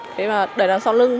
đấy là đẩy đằng sau lưng